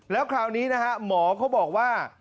แล้วคราวนี้นะฮะหมอเขาบอกว่า